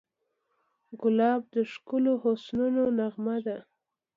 ګلاب د ښکلو حسونو نغمه ده.